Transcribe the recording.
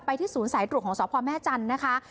ที่ศูนย์สายตรวจของสพแม่จันทร์นะคะ